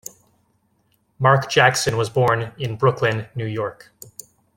Mark Jackson was born in Brooklyn, New York.